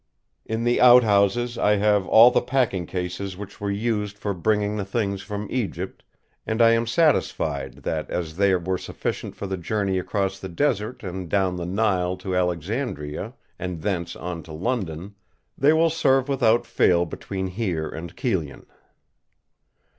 In the outhouses I have all the packing cases which were used for bringing the things from Egypt, and I am satisfied that as they were sufficient for the journey across the desert and down the Nile to Alexandria and thence on to London, they will serve without fail between here and Kyllion.